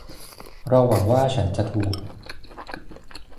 เราหวังว่าฉันจะถูก